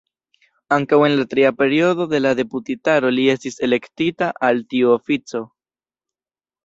Ankaŭ en la tria periodo de la deputitaro li estis elektita al tiu ofico.